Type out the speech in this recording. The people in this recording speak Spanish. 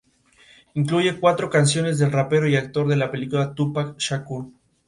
Al movimiento se unirían desde egipcios hasta yemeníes, sirios, palestinos e, incluso, afroamericanos.